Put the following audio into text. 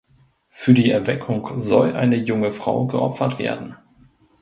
Für die Erweckung soll eine junge Frau geopfert werden.